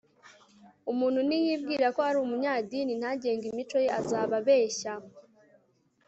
umuntu niyibwira ko ari umunyadini ntagenge imico ye, azaba abeshya